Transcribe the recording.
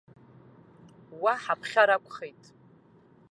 Уа ҳаԥхьар акәхеит.